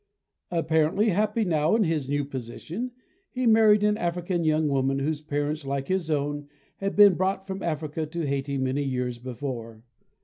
Apparently happy now in his new position, he married an African young woman whose parents, like his own, had been brought from Africa to Hayti many years before.